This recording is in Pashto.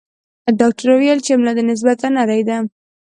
ډاکټر ویل چې ملا دې نسبتاً نرۍ ده.